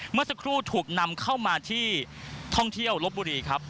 เมื่อสักครู่ถูกนำเข้ามาที่ท่องเที่ยวลบบุรีครับ